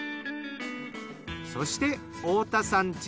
そして太田さん